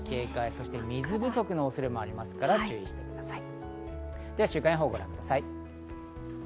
そして水不足の恐れもあるので注意してください。